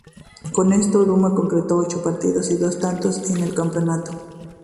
Con esto, Duma concretó ocho partidos y dos tantos en todo el campeonato.